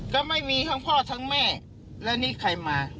ก็ไม่มีทั้งพ่อทั้งแม่และนี่ใครมา